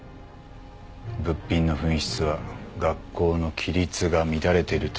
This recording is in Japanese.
物品の紛失は学校の規律が乱れてるということになる。